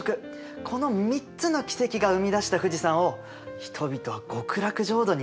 この３つの奇跡が生み出した富士山を人々は極楽浄土に見立てたんだね。